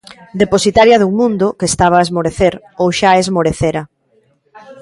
Depositaria dun mundo que estaba a esmorecer, ou xa esmorecera.